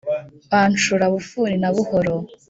bancura bufuni na buhoro